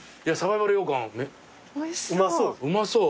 うまそう。